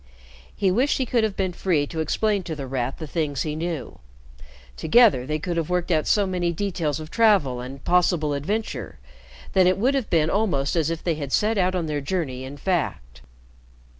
He wished he could have been free to explain to The Rat the things he knew. Together they could have worked out so many details of travel and possible adventure that it would have been almost as if they had set out on their journey in fact.